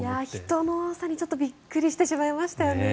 人の多さに、ちょっとびっくりしてしまいましたよね。